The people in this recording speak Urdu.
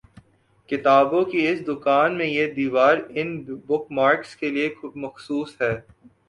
کتابوں کی اس دکان میں یہ دیوار اُن بک مارکس کےلیے مخصوص ہے